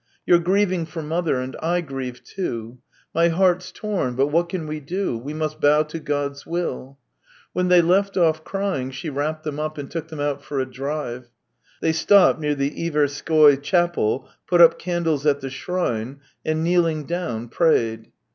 You're grieving for mother, and I grieve too. My heart's torn, but what can we do ? We must bow to God's will !" When they left off crying, she wrapped them up and took them out for a drive. They stopped near the Iverskoy chapel, put up candles at the shrine, and, kneeling down, prayed.